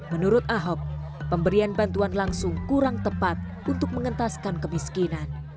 menurut ahok pemberian bantuan langsung kurang tepat untuk mengentaskan kemiskinan